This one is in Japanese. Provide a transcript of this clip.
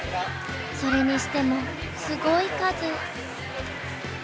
それにしてもすごい数。